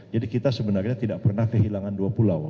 kita sebenarnya tidak pernah kehilangan dua pulau